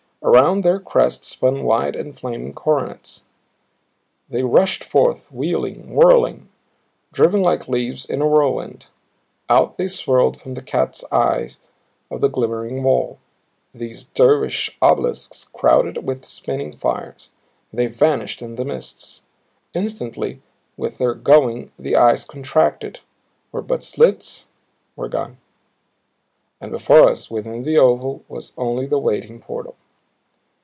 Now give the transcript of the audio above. Around their crests spun wide and flaming coronets. They rushed forth, wheeling, whirling, driven like leaves in a whirlwind. Out they swirled from the cat's eyes of the glimmering wall, these dervish obelisks crowded with spinning fires. They vanished in the mists. Instantly with their going, the eyes contracted; were but slits; were gone. And before us within the oval was only the waiting portal.